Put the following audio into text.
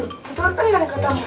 untuk tertenang ketemu